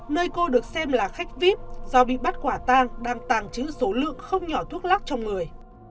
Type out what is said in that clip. nơi cô được xem là khách vip do bị bắt quả tang đang tàng trữ số lượng không nhỏ thuốc lắc trong người